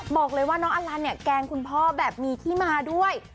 บอกเลยว่าน้องอลันเนี่ยแกล้งคุณพ่อแบบมีที่มาด้วย